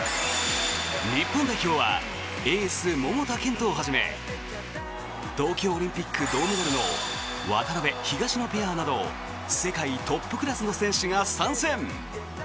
日本代表はエース、桃田賢斗をはじめ東京オリンピック銅メダルの渡辺・東野ペアなど世界トップクラスの選手が参戦！